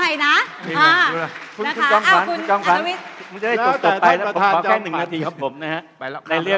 ยิงได้แล้วขอแค่๑นาทีครับผมนะครับ